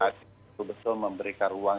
betul betul memberikan ruang